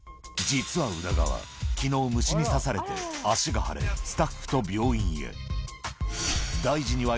実は宇田川、きのう、虫に刺されて足が腫れ、スタッフと病院へ。